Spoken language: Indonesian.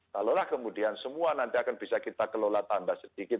kalaulah kemudian semua nanti akan bisa kita kelola tambah sedikit